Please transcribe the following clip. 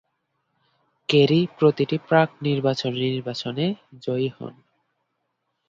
Kerry প্রতিটি প্রাক-নির্বাচনী নির্বাচনে জয়ী হন।